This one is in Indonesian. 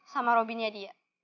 sama robinnya dia